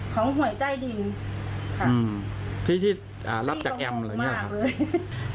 ของห่วยใจดินอืมพี่ที่อ่ารับจักรแอมเหรอเนี่ยมากเลย